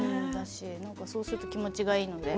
そうすると気持ちがいいので。